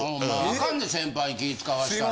あかんで先輩気ぃ使わしたら。